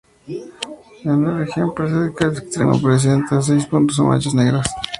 En la región postdiscal externo, presenta seis puntos o manchas negras.